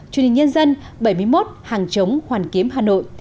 chủ nhật nhân dân bảy mươi một hàng chống hoàn kiếm hà nội